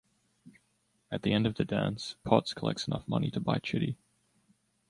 At the end of the dance, Potts collects enough money to buy Chitty.